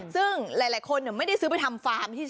ซึ่งหลายคนเนี่ยไม่ให้ซื้อกะมาไปทำฟาร์มที่บอก